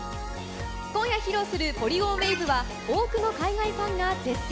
今夜披露する『ポリゴンウェイヴ』は多くの海外ファンが絶賛。